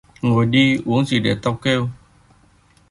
Ngồi đi uống gì để tao kêu